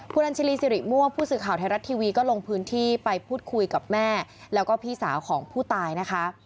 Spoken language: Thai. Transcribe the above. คุณอัญชรีสิริม่วงผู้สื่อข่าวไทยรัฐทีวีก็ลงพื้นที่ไปพูดคุยกับแม่แล้วก็พี่สาวของผู้ตายนะคะ